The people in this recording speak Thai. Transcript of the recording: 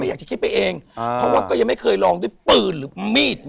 อยากจะคิดไปเองเพราะว่าก็ยังไม่เคยลองด้วยปืนหรือมีด